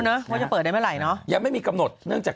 ว่าจะเปิดได้เมื่อไหร่เนอะยังไม่มีกำหนดเนื่องจาก